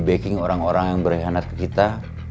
backing orang orang yang berkhianat ke kita